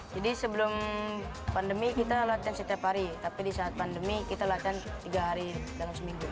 jadi sebelum pandemi kita latihan setiap hari tapi di saat pandemi kita latihan tiga hari dalam seminggu